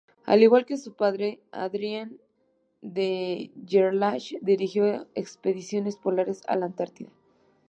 Al igual que su padre Adrien de Gerlache, dirigió expediciones polares a la Antártida.